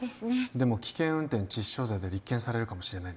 でも危険運転致死傷罪で立件されるかもしれないんですよね